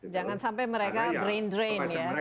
jangan sampai mereka brain drain ya